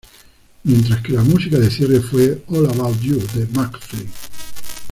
Mientras que la música de cierre fue "All About You" de Mcfly.